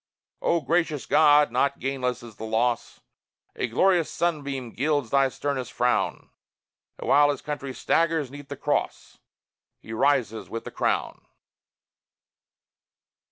O gracious God! not gainless is the loss: A glorious sunbeam gilds thy sternest frown; And while his country staggers 'neath the Cross, He rises with the Crown!